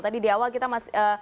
tadi di awal kita masih